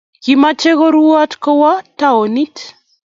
kimeche kuroot kowo townit